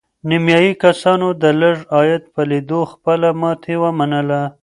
نیمایي کسانو د لږ عاید په لیدو خپله ماتې ومنله.